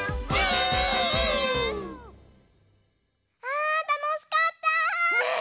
あたのしかった！ね。